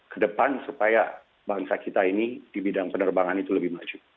kedepan supaya bangsa kita ini di bidang penerbangan itu lebih maju